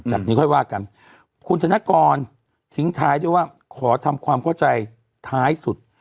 จากนี้ค่อยว่ากันคุณธนกรทิ้งท้ายด้วยว่าขอทำความเข้าใจท้ายสุด